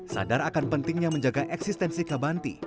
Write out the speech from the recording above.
sadar akan pentingnya menjaga eksistensi kabanti